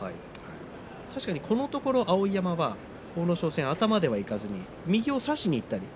確かに、このところ碧山は阿武咲戦、頭でいかず右を差しにいってますね